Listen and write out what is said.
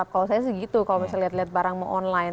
kalau saya segitu kalau misalnya lihat lihat barangmu online